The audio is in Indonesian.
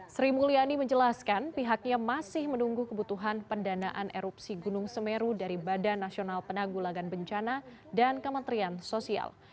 sri mulyani menjelaskan pihaknya masih menunggu kebutuhan pendanaan erupsi gunung semeru dari badan nasional penanggulangan bencana dan kementerian sosial